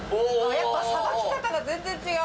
「やっぱりさばき方が全然違う」